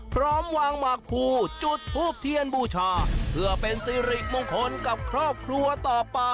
พร้อมวางหมากภูจุดทูบเทียนบูชาเพื่อเป็นสิริมงคลกับครอบครัวต่อไป